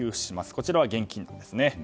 こちらは現金ですね。